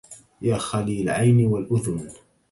يا خلي العين والأذن